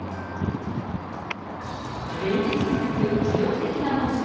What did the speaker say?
連日続く記録的な猛暑。